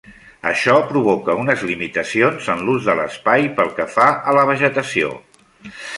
Això provoca unes limitacions en l'ús de l'espai pel que fa a la vegetació.